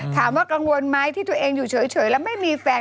กังวลไหมที่ตัวเองอยู่เฉยแล้วไม่มีแฟน